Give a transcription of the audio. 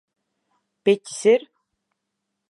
Piķis ir?